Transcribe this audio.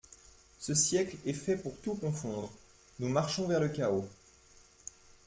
Ce siècle est fait pour tout confondre ! nous marchons vers le chaos.